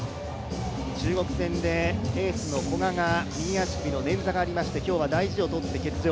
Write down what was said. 中国戦でエースの古賀が右足首の捻挫がありまして、今日は大事を取って欠場。